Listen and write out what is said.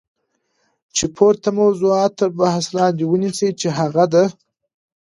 چی پورته موضوعات تر بحث لاندی ونیسی چی هغه د